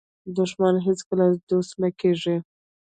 دښمن هیڅکله دوست نه کېږي